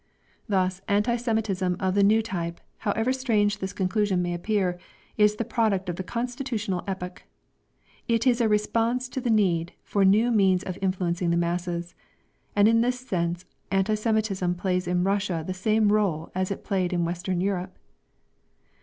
Thus, anti Semitism of the new type, however strange this conclusion may appear, is the product of the constitutional epoch. It is a response to the need for new means of influencing the masses. And in this sense anti Semitism plays in Russia the same rôle as it played in Western Europe.